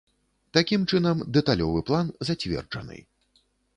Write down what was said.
Такім чынам, дэталёвы план зацверджаны.